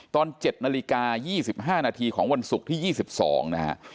ตอน๗นาฬิกา๒๕นาทีของวันศุกร์ที่๒๒นะฮะ